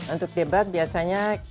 untuk debat biasanya